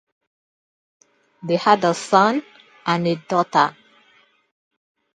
They had a son and a daughter.